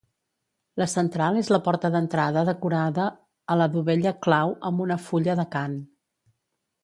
La central és la porta d'entrada decorada a la dovella clau amb una fulla d'acant.